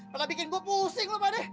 pada bikin gue pusing lo pah deh